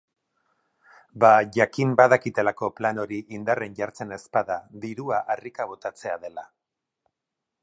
Ba jakin badakitelako plan hori indarren jartzen ez bada dirua harrika botatzea dela.